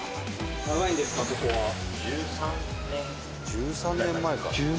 １３年前から。